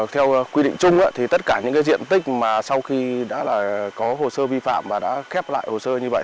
theo quy định chung thì tất cả những diện tích mà sau khi đã có hồ sơ vi phạm và đã khép lại hồ sơ như vậy